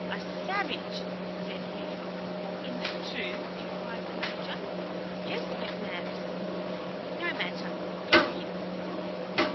"A savage!" said he. "In the tomb?" inquired the Major. "Yes, McNabbs." "No matter; go in."